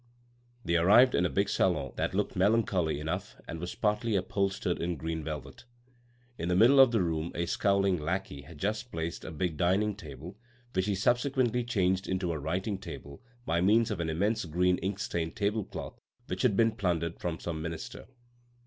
They arrived in a big salon that looked melancholy enough and was partly upholstered in green velvet. In the middle of the room a scowling lackey had just placed a big dining table which he subsequently changed into a writing table by means of an immense green inkstained tablecloth which had been plundered from some minister.